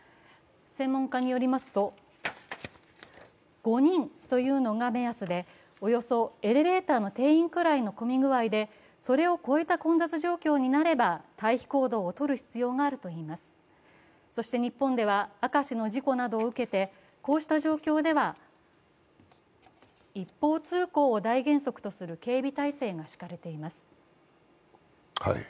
専門家によりますと、５人というのが目安で、およそエレベーターの定員くらいの混み具合で、それを超えた混雑状況になれば退避行動を取る必要があるといいまする日本では明石の事故などを受けてこうした状況では一方通行を大原則とする警備態勢が敷かれています。